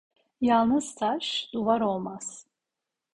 Yalnız taş, duvar olmaz.